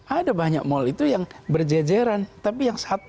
ada banyak mall itu yang berjejeran tapi yang langsung ke mall aja